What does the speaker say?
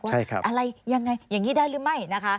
ว่าอะไรอย่างไรอย่างนี้ได้หรือไม่